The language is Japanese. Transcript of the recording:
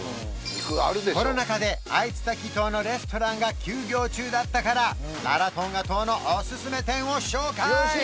コロナ禍でアイツタキ島のレストランが休業中だったからラロトンガ島のおすすめ店を紹介！